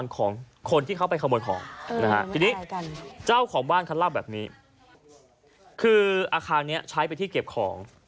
คืออาคารนี้ใช้ไปที่เก็บของ